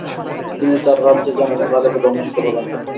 তিনি তার রাজ্যে যান ও রাজাকে ধর্মশিক্ষা প্রদান করেন।